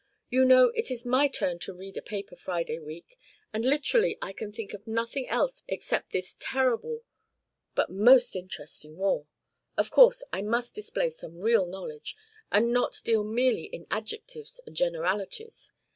"You know, it is my turn to read a paper Friday week, and literally I can think of nothing else except this terrible but most interesting war. Of course, I must display some real knowledge and not deal merely in adjectives and generalities.